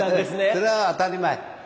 それは当たり前。